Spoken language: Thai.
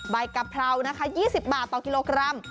กะเพรานะคะ๒๐บาทต่อกิโลกรัม